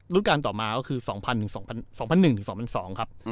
การต่อมาก็คือ๒๐๐๑๒๐๐๒ครับ